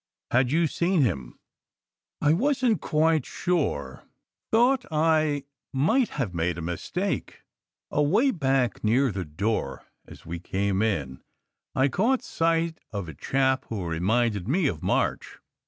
Had you seen him?" "I wasn t quite sure thought I might have made a mis take. Away back near the door as we came in I caught SECRET HISTORY 195 sight of a chap who reminded me of March.